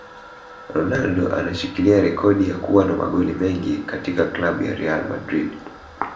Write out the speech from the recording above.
Ronaldo anashikilia rekodi ya kua na magoli mengi katika club ya Real Madrid